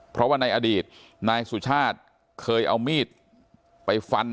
เพราะว่าในอดีตนายสุชาติเคยเอามีดไปฟัน